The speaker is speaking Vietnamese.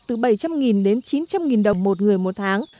từ bảy trăm linh đến chín trăm linh đồng một người một tháng